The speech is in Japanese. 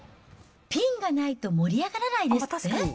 ピンがないと盛り上がらないですって？